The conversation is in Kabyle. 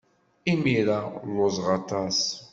Imir-a lluẓeɣ aṭas.